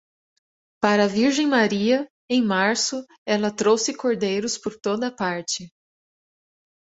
Para a Virgem Maria, em março, ela trouxe cordeiros por toda parte.